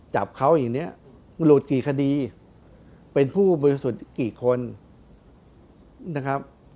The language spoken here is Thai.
จับเขาอย่างนี้มันหลุดกี่คดีเป็นผู้บริสุทธิ์กี่คนนะครับ